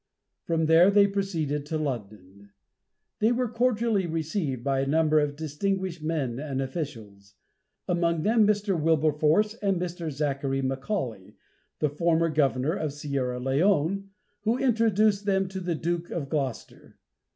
From there they proceeded to London. They were cordially received by a number of distinguished men and officials. Among them Mr. Wilberforce and Mr. Zachary Macauly, the former governor of Sierra Leone, who introduced them to the Duke of Gloucester.